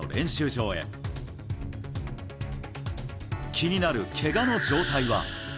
気になる、けがの状態は？